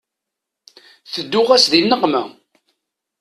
Tedduɣ-as di nneqma.